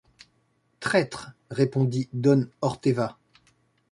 Traître ! répondit don Orteva